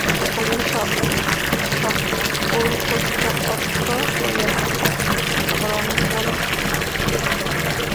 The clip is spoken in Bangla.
সকলেই স্বকপোল-কল্পিত অর্থ করিয়া থাকেন, আবার অনেকে বলেন, এইসব বাজে কথা মাত্র।